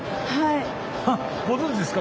ご存じですか？